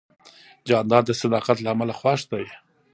جانداد د صداقت له امله خوښ دی.